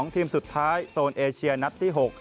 ทีมสุดท้ายโซนเอเชียนัดที่๖